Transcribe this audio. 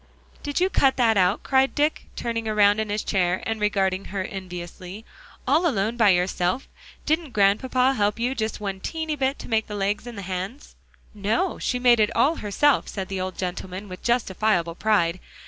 "Did you cut that out?" cried Dick, turning around in his chair, and regarding her enviously, "all alone by yourself? Didn't Grandpapa help you just one teeny bit to make the legs and the hands?" "No; she made it all herself," said the old gentleman, with justifiable pride.